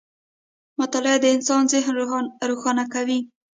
• مطالعه د انسان ذهن روښانه کوي.